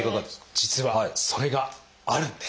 実はそれがあるんです。